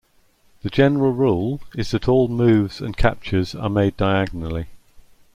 The general rule is that all moves and captures are made diagonally.